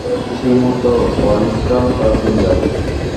সেই মুহুর্তে কোয়ালিস্টরা তা জেনে যাবে।